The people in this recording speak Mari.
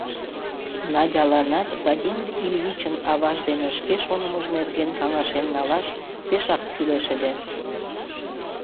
Надяланат Владимир Ильичын аваж дене шке шонымыж нерген каҥашен налаш пешак кӱлеш ыле.